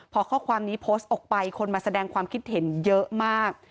พอข้อความนี้โพสต์ออกไปคนมาแสดงความคิดเห็นเยอะมาก